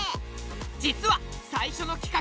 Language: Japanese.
実は最初の企画